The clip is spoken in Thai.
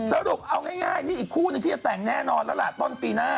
สรุปเอาง่ายอันนี้อีกคู่ไปแต้งแน่นอนจ์ด้านป้อนตี้หน้า